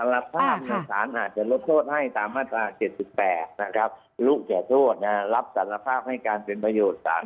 ภาพสารอาจจะลดโทษให้ตามมาตรา๗๘นะครับรู้แก่โทษรับสารภาพให้การเป็นประโยชน์สาร